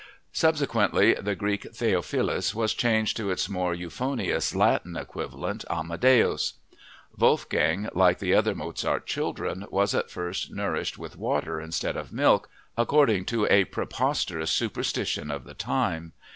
Subsequently the Greek Theophilus was changed to its more euphonious Latin equivalent Amadeus. Wolfgang, like the other Mozart children, was at first nourished with water instead of milk, according to a preposterous superstition of the time.